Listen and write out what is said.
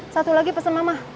satu lagi pesen mama